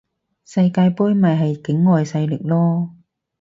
世界盃咪係境外勢力囉